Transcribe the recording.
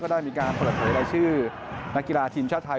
ได้มีการเปิดเผยรายชื่อนักกีฬาทีมชาติไทย